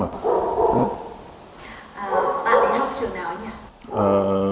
bạn đi học trường nào anh ạ